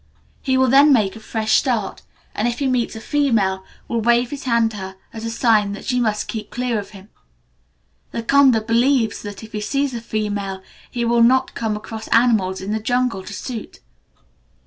He will then make a fresh start, and, if he meets a female, will wave his hand to her as a sign that she must keep clear of him. The Kondh believes that, if he sees a female, he will not come across animals in the jungle to shoot.